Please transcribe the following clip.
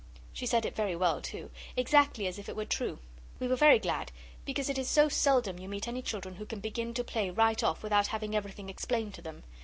She said it very well too, exactly as if it were true. We were very glad, because it is so seldom you meet any children who can begin to play right off without having everything explained to them.